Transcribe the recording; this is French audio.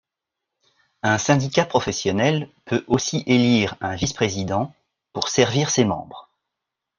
Un syndicat professionnel peut aussi élire un vice-président pour servir ses membres.